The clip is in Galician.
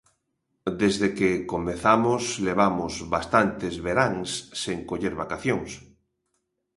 Desde que comezamos levamos bastantes veráns sen coller vacacións.